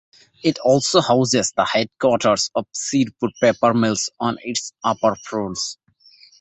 It also houses the headquarters of Sirpur Paper Mills on its upper floors.